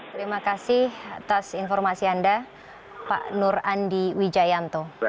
terima kasih atas informasi anda pak nur andi wijayanto